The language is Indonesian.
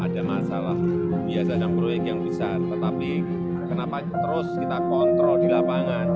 ada masalah biasa dan proyek yang besar tetapi kenapa terus kita kontrol di lapangan